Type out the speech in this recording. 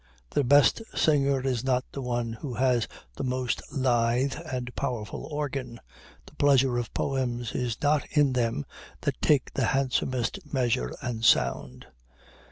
The best singer is not the one who has the most lithe and powerful organ. The pleasure of poems is not in them that take the handsomest measure and sound.